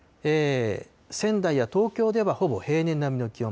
仙台や東京ではほぼ平年並みの気温。